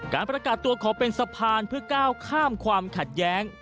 การประกาศตัวขอเป็นสะพานเพื่อก้าวข้ามความขัดแย้ง